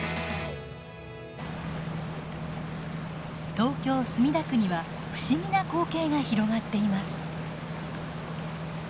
東京・墨田区には不思議な光景が広がっています。